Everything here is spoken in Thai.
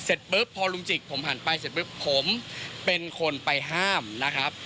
เสร็จปุ๊บพอลุงจิกผมหันไปเสร็จปุ๊บผมเป็นคนไปห้ามนะครับ